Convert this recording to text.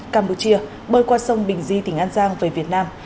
campuchia bơi qua sông bình di tỉnh an giang về việt nam